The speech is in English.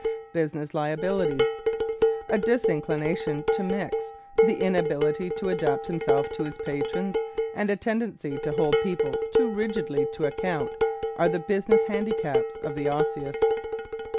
Business Liabilities ¶ A disinclination to mix, the inability to adapt himself to his patrons and a tendency to hold people too rigidly to account are the business handicaps of the Osseous.